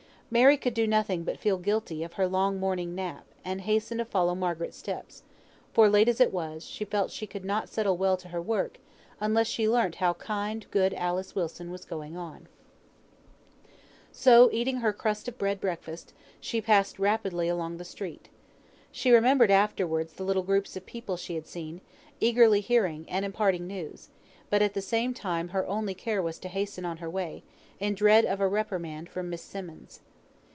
Mary could do nothing but feel guilty of her long morning nap, and hasten to follow Margaret's steps; for late as it was, she felt she could not settle well to her work, unless she learnt how kind good Alice Wilson was going on. So, eating her crust of bread breakfast, she passed rapidly along the streets. She remembered afterwards the little groups of people she had seen, eagerly hearing, and imparting news; but at the time her only care was to hasten on her way, in dread of a reprimand from Miss Simmonds.